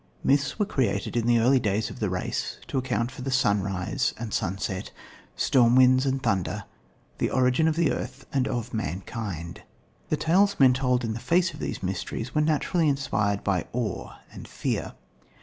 Myths were created in the early days of the race to account for sunrise and sunset, storm winds and thunder, the origin of the earth and of mankind. The tales men told in the face of these mysteries were naturally inspired by awe and fear.